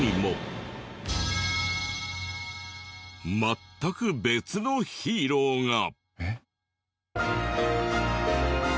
全く別のヒーローが。